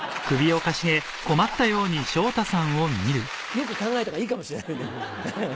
よく考えた方がいいかもしれないね。